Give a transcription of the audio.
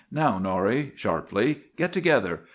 "Now, Norrie," sharply, "get together!